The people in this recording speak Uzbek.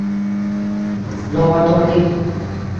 Novatorlik